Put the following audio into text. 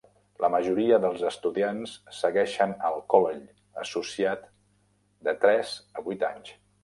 La majoria dels estudiants segueixen al 'kollel' associat de tres a vuit anys.